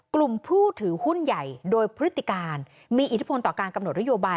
กลุ่มผู้ถือหุ้นใหญ่โดยพฤติการมีอิทธิพลต่อการกำหนดนโยบาย